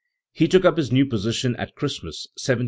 He took up his new position at Christmas 1717.